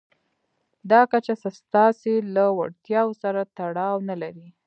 دا کچه ستاسې له وړتیاوو سره تړاو نه لري.